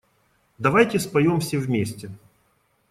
Давайте споем все вместе.